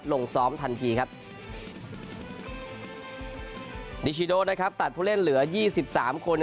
ลงซ้อมทันทีครับนิชิโดนะครับตัดผู้เล่นเหลือยี่สิบสามคน